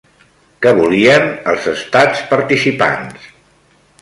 Què volien els estats participants?